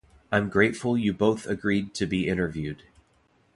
I'm grateful you both agreed to be interviewed.